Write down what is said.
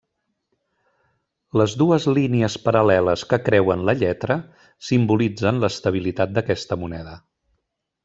Les dues línies paral·leles que creuen la lletra simbolitzen l'estabilitat d'aquesta moneda.